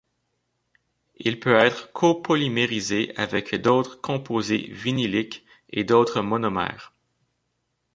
Il peut être copolymérisé avec d'autres composés vinyliques ou d'autres monomères.